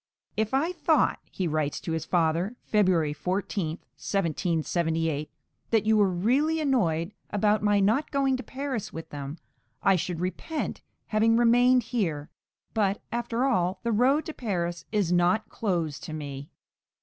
"If I thought," he writes to his father (February 14, 1778), "that you were really annoyed about my not going to Paris with them, I should repent having remained here; but, after all, the road to Paris is not closed to me."